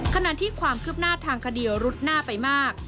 ขณะที่ความคืบหน้าทางคดีรุดหน้าไปมาก